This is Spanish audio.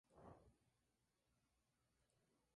La marcha militar se estructura principalmente con pasos.